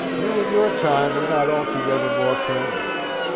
you, in your time, were not altogether more candid.